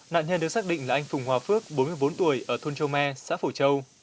nạn nhân được xác định là anh phùng hòa phước bốn mươi bốn tuổi ở thôn châu me xã phổ châu